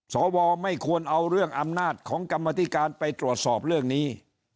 สวไม่ควรเอาเรื่องอำนาจของกรรมธิการไปตรวจสอบเรื่องนี้